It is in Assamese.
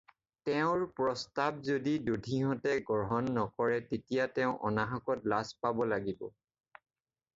তেওঁৰ প্ৰস্তাব যদি দধিহঁতে গ্ৰহণ নকৰে তেতিয়া তেওঁ অনাহকত লাজ পাব লাগিব।